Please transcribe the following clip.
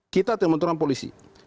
kita memuturkan polisi